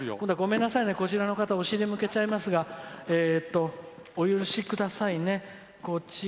ごめんなさいね、こちらの方お尻を向けちゃいますがお許しくださいね。